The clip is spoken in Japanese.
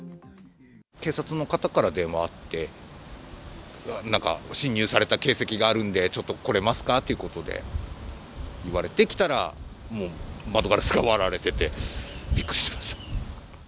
警察の方から電話あって、なんか侵入された形跡があるんで、ちょっと来れますかということで言われて、来たら、もう窓ガラスが割られてて、びっくりしました。